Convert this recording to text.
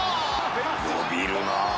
「伸びるなあ」